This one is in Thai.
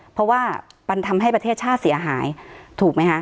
เพราะว่ามันทำให้ประเทศชาติเสียหายถูกไหมคะ